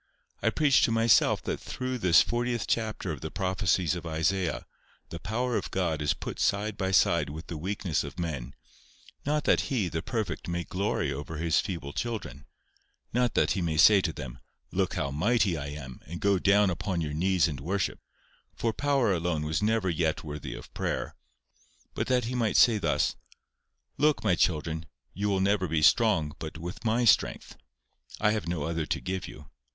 I preached to myself that throughout this fortieth chapter of the prophecies of Isaiah, the power of God is put side by side with the weakness of men, not that He, the perfect, may glory over His feeble children; not that He may say to them—"Look how mighty I am, and go down upon your knees and worship"—for power alone was never yet worthy of prayer; but that he may say thus: "Look, my children, you will never be strong but with MY strength. I have no other to give you.